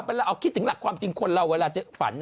ไปละหาคิดถึงหลักความจริงคนเราเวลาฝัน